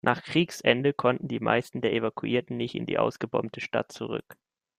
Nach Kriegsende konnten die meisten der Evakuierten nicht in die ausgebombte Stadt zurück.